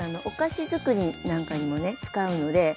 お菓子づくりなんかにもね使うので。